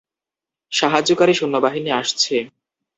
সাহায্যকারী সৈন্যবাহিনী আসছে।